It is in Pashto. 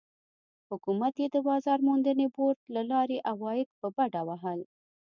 حکومت یې د بازار موندنې بورډ له لارې عواید په بډه وهل.